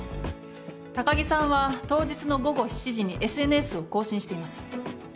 高城さんは当日の午後７時にＳＮＳを更新しています。